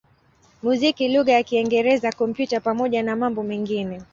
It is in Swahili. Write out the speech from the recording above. muziki lugha ya Kiingereza, Kompyuta pamoja na mambo mengine.